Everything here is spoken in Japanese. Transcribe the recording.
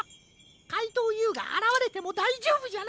かいとうＵがあらわれてもだいじょうぶじゃな！